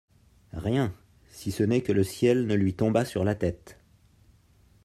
Rien, si ce n’est que le ciel ne lui tombât sur la tête!